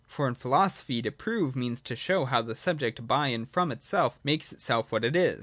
For in philo sophy, to prove means to show how the subject by and from itself makes itself what it is.